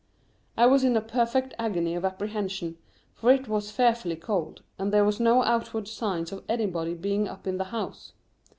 I was in a perfect agony of apprehension, for it was fearfully cold, and there were no outward signs of anybody being up in the house.